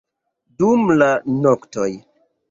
dum la noktoj